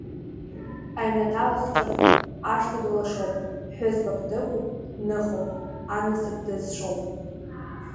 Аҩнаҭа лахҿыхуп, ашҭа ду лашоуп, ԥҳәызбак дықәуп, дныхоуп, анасыԥ дазшоуп.